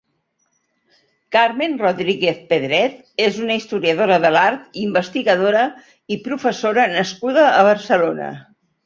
Carmen Rodríguez Pedret és una historiadora de l'art, investigadora i professora nascuda a Barcelona.